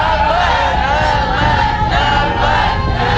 จำนวนจำนวนจำนวน